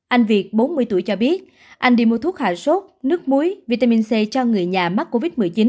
anh việt bốn mươi tuổi cho biết anh đi mua thuốc hạ sốt nước muối vitamin c cho người nhà mắc covid một mươi chín